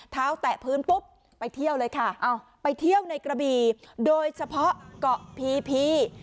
แตะพื้นปุ๊บไปเที่ยวเลยค่ะไปเที่ยวในกระบีโดยเฉพาะเกาะพีพี